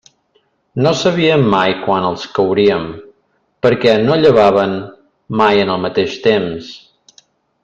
No sabíem mai quan els couríem, perquè no llevaven mai en el mateix temps.